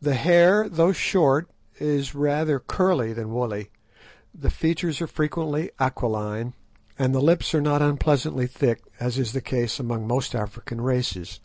The hair, though short, is rather curly than woolly, the features are frequently aquiline, and the lips are not unpleasantly thick, as is the case among most African races.